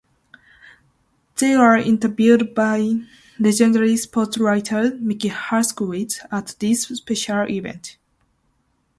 They were interviewed by legendary sportswriter Mickey Herskowitz at this special event.